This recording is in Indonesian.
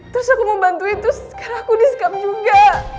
terus aku mau bantuin terus sekarang aku disekap juga